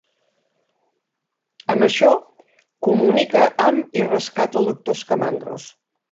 Amb això, comunica amb i rescata el Doctor Scamandros.